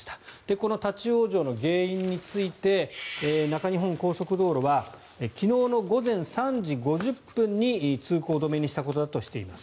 この立ち往生の原因について中日本高速道路は昨日の午前３時５０分に通行止めにしたことだとしています。